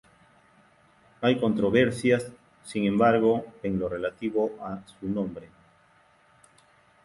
Hay controversias, sin embargo, en lo relativo a su nombre.